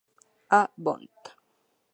A. Bond.